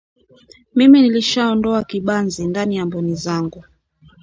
Mimi nilishaondoa kibanzi ndani ya mboni zangu